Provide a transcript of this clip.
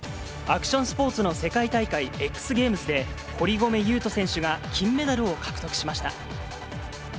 アクションスポーツの世界大会、Ｘゲームズで、堀米雄斗選手が金メダルを獲得しました。